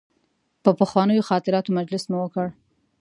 پر پخوانیو خاطراتو مجلس مو وکړ.